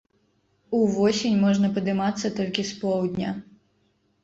Увосень можна падымацца толькі з поўдня.